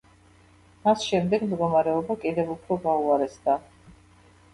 მას შემდეგ მდგომარეობა კიდევ უფრო გაუარესდა.